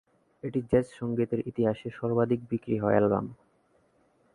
এটি জ্যাজ সঙ্গীতের ইতিহাসে সর্বাধিক বিক্রি হওয়া অ্যালবাম।